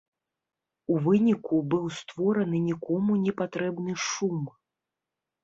У выніку, быў створаны нікому не патрэбны шум.